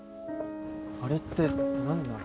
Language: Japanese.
あれって何なの？